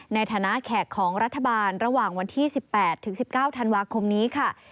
ในฐานะแขกของรัฐบาลระหว่างวันที่๑๘ถึง๑๙ธันวาคมนี้ค่ะ